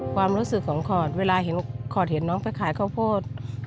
ความรู้สึกของขอดเวลาขอดเห็นน้องไปขายข้อโพธิ์